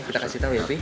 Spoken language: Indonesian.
kita kasih tau ya pi